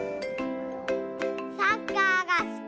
サッカーがすき。